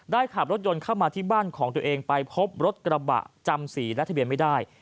ขับรถยนต์เข้ามาที่บ้านของตัวเองไปพบรถกระบะจำสีและทะเบียนไม่ได้